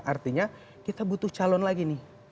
artinya kita butuh calon lagi nih